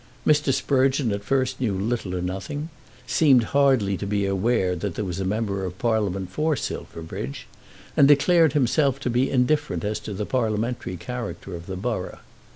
Mr. Sprugeon at first knew little or nothing, seemed hardly to be aware that there was a member of Parliament for Silverbridge, and declared himself to be indifferent as to the parliamentary character of the borough.